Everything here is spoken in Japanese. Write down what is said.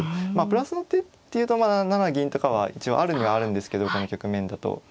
プラスの手っていうと７七銀とかは一応あるにはあるんですどこの局面だと。